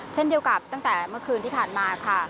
เช่นเดียวกับตั้งแต่เมื่อคืนที่ผ่านมาค่ะ